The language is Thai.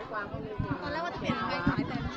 ไม่ได้หยัดแล้วนะ